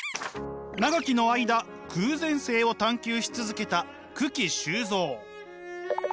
長きの間偶然性を探求し続けた九鬼周造。